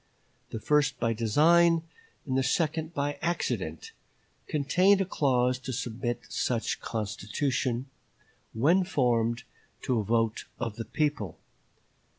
The first by design, and the second by accident, contained a clause to submit such constitution, when formed, to a vote of the people.